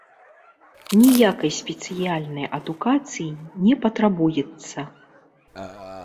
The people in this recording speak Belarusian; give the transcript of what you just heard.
Ніякай спецыяльнай адукацыі не патрабуецца.